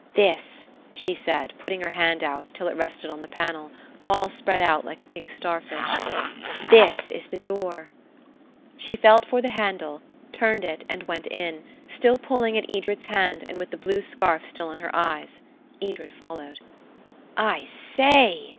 "This," she said, putting her hand out till it rested on the panel, all spread out like a pink starfish,–"this is the door." She felt for the handle, turned it, and went in, still pulling at Edred's hand and with the blue scarf still on her eyes. Edred followed. "I say!"